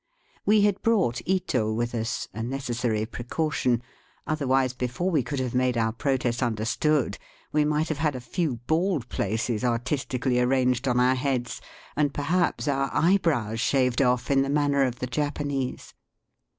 We had brought Ito with us, a necessary precaution ; other wise before we could have made our protest understood we might have had a few bald places artistically arranged on our heads, and perhaps our eyebrows shaved off in the manner of the Japanese.